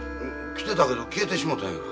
来てたけど消えてしもたんやら。